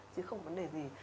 chứ không có vấn đề gì